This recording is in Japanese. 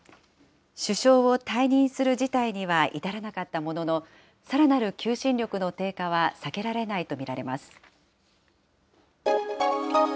首相を退任する事態には至らなかったものの、さらなる求心力の低下は避けられないと見られます。